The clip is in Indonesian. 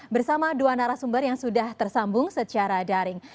bersama dua narasumber yang sudah tersambung secara daring